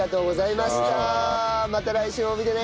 また来週も見てね。